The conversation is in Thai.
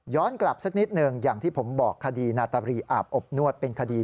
กลับสักนิดหนึ่งอย่างที่ผมบอกคดีนาตารีอาบอบนวดเป็นคดี